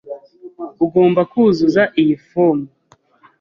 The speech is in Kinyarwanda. Ugomba kuzuza iyi fomu.